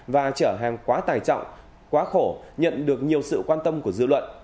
và trở hàng quá tài trọng quá khổ nhận được nhiều sự quan tâm của dư luận